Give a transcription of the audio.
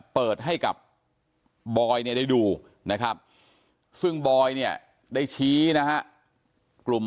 เปิดให้กับบอยเนี่ยได้ดูนะครับซึ่งบอยเนี่ยได้ชี้นะฮะกลุ่ม